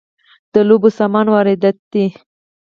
د لوبو سامان وارداتی دی؟